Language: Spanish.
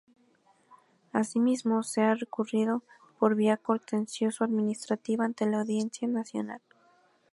Así mismo, se ha recurrido por vía contencioso-administrativa ante la Audiencia Nacional.